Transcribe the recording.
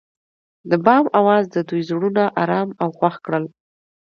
د بام اواز د دوی زړونه ارامه او خوښ کړل.